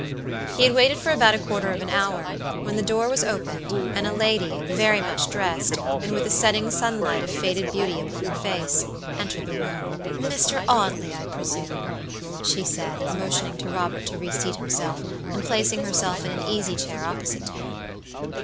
He had waited for about a quarter of an hour, when the door was opened, and a lady, very much dressed, and with the setting sunlight of faded beauty upon her face, entered the room. "Mr. Audley, I presume," she said, motioning to Robert to reseat himself, and placing herself in an easy chair opposite to him.